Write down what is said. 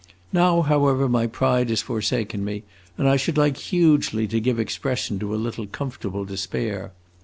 Now, however, my pride has forsaken me, and I should like hugely to give expression to a little comfortable despair.